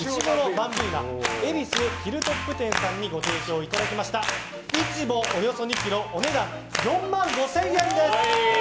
バンビーナ恵比寿ヒルトップ店さんにご提供いただきましたイチボおよそ２ｋｇお値段４万５０００円です。